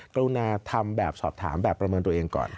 กรุณาทำแบบสอบถามแบบประเมินตัวเองก่อน